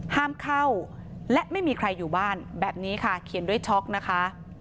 ห้ามเข้าและไม่มีใครอยู่บ้านแบบนี้ค่ะเขียนด้วยช็อกนะคะ